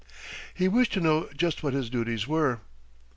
He wished to know just what his duties were.